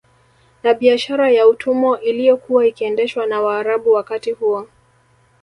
Na biashara ya utumwa iliyokuwa ikiendeshwa na Waarabu wakati huo